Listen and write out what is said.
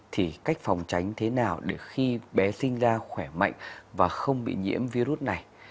thì cách phòng tránh thế nào để khi bé sinh ra khỏe mạnh và không bị nhiễm virus này